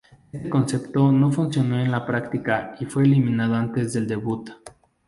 Este concepto no funcionó en la práctica y fue eliminado antes del debut.